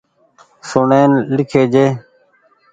سون ڙين لکي جي۔